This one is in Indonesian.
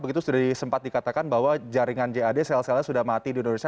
begitu sudah sempat dikatakan bahwa jaringan jad sel selnya sudah mati di indonesia